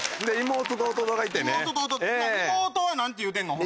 妹はなんて言うてんの？